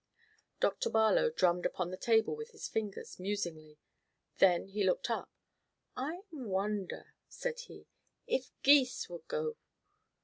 Dr. Barlow drummed upon the table with his fingers, musingly. Then he looked up. "I wonder," said he, "if Gys would go.